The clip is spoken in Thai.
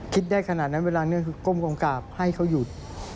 คิดได้ขนาดนั้นเวลานี้คือก้มกองกราบให้เขาหยุด